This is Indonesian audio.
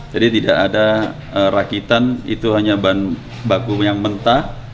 jadi tidak ada rakitan itu hanya bahan baku yang mentah